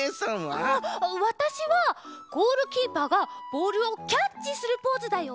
わたしはゴールキーパーがボールをキャッチするポーズだよ。